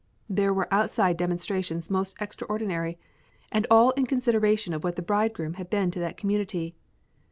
There were outside demonstrations most extraordinary, and all in consideration of what the bridegroom had been to that community.